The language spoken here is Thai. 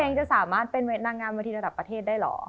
ตัวเองจะสามารถที่เป็นนางงามหาที่ระดับประเทศได้เหรอ